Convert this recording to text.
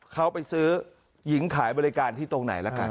เขาไปซื้อหญิงขายบริการที่ตรงไหนละกัน